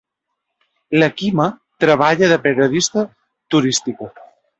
La Quima treballa de periodista turística.